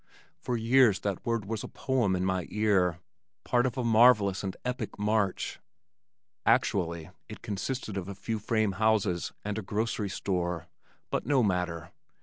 For years that word was a poem in my ear, part of a marvellous and epic march. Actually it consisted of a few frame houses and a grocery store. But no matter.